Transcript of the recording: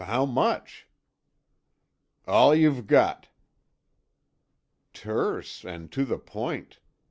How much?" "All you've got." "Terse, and to the point.